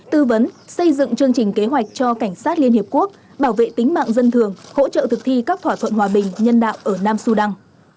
tư vấn xây dựng chương trình kế hoạch cho cảnh sát liên hiệp quốc bảo vệ tính mạng dân thường hỗ trợ thực thi các thỏa thuận hòa bình nhân đạo ở nam sudan